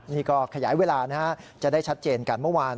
นี่ก็ขยายเวลานะฮะจะได้ชัดเจนกันเมื่อวาน